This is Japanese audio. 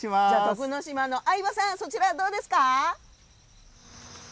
徳之島の相葉さんそちらはどうですか？